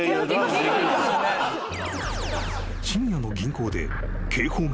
［深夜の銀行で警報が作動］